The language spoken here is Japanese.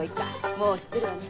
もう知ってるわね。